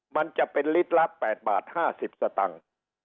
มันจะเป็นลิตรละ๘บาท๕๐สตังค์